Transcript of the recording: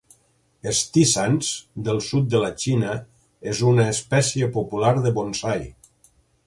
"S. theezans", del sud de la Xina, és una espècia popular de bonsai.